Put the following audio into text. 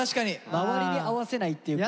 周りに合わせないっていうか。